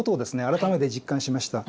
改めて実感しました。